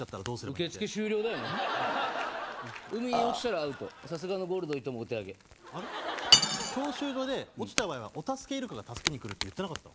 受け付け終了だよお前海に落ちたらアウトさすがのゴールド伊藤もお手上げあれっ？教習所で落ちた場合はお助けイルカが助けに来るって言ってなかった？